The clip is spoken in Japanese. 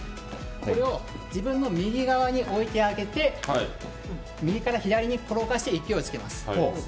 これを自分の右側に置いてあげて右から左にころがして勢いをつけます。